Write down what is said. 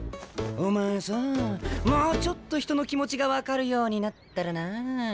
お前さあもうちょっと人の気持ちが分かるようになったらな。